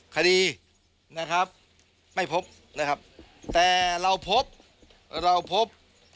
คดีนะครับไม่พบนะครับแต่เราพบเราพบ